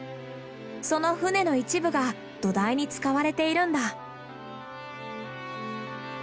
その船の一部が土台に使われているんだ。